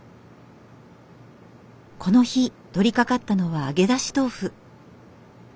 この日取りかかったのは揚げだし豆腐。